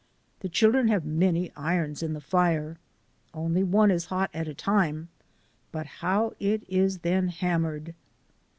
The children have many irons in the fire. Only one is hot at a time; but how it is then hammered!